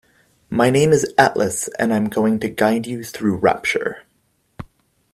My name is Atlas and I'm going to guide you through Rapture.